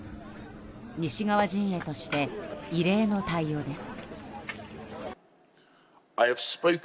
西側陣営として異例の対応です。